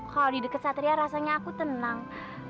kalo di deket satria rasanya aku tenang